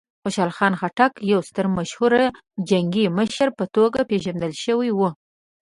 خوشحال خان خټک د یوه ستر مشهوره جنګي مشر په توګه پېژندل شوی و.